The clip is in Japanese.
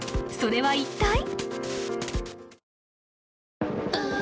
それは一体？